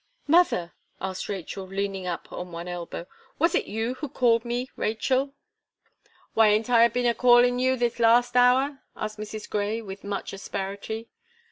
"Mother," asked Rachel, leaning up on one elbow, "was it you who called me, Rachel?" "Why aint I been a calling of you this last hour?" asked Mrs. Gray, with much asperity.